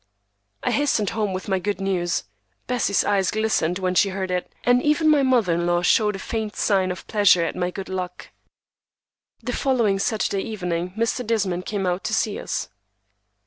I hastened home with my good news. Bessie's eyes glistened when she heard it, and even my mother in law showed a faint sign of pleasure at my good luck. The following Saturday evening Mr. Desmond came out to see us.